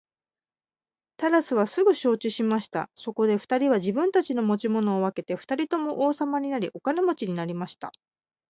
タラスはすぐ承知しました。そこで二人は自分たちの持ち物を分けて二人とも王様になり、お金持になりました。